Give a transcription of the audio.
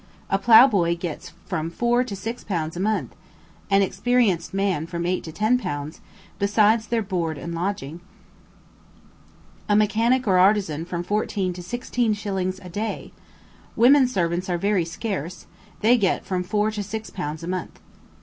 A plough boy gets from four to six pounds a month, an experienced man from eight to ten pounds, besides their board and lodging; a mechanic or artisan from fourteen to sixteen shillings a day; women servants are very scarce, they get from four to six pounds a month.